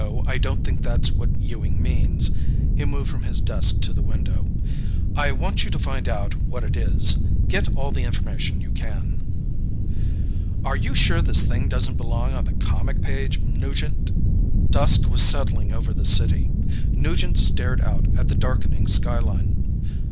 I don't think that's what Ewing means." He moved from his desk to the window. "I want you to find out what it is. Get all the information you can." "Are you sure this doesn't belong on the comic page, Nugent?" Dusk was settling over the city. Nugent stared out at the darkening skyline.